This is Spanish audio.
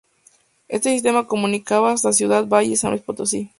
Este sistema comunicaba hasta Ciudad Valles, San Luis Potosí.